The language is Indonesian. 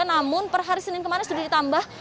namun per hari senin kemarin sudah ditambah